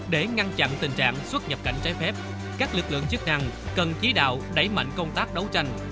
để ngăn chặn tình trạng xuất nhập cảnh trái phép các lực lượng chức năng cần chỉ đạo đẩy mạnh công tác đấu tranh